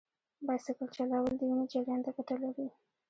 بایسکل چلول د وینې جریان ته ګټه لري.